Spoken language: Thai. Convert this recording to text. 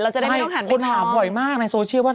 เราจะได้ไม่ต้องหันเป็นท่องใช่คนถามบ่อยมากในโซเชียลว่า